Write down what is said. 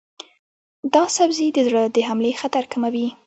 دا سبزی د زړه د حملې خطر کموي.